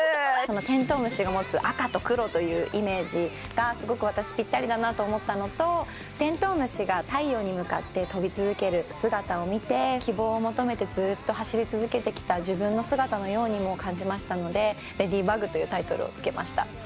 虫が持つ赤と黒というイメージがすごく私にぴったりだと思ったのと、てんとう虫が太陽に向かって飛び続ける姿を見て、希望を求めてずーっと走り続けてきた自分の姿のようにも感じましたので、レディーバグというタイトルをつけました。